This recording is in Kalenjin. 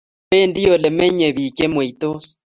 Bendi Ole menyei bik chemweitos